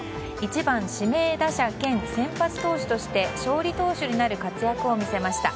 １番指名打者兼先発投手として勝利投手になる活躍を見せました。